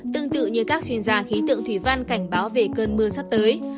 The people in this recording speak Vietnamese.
tương tự như các chuyên gia khí tượng thủy văn cảnh báo về cơn mưa sắp tới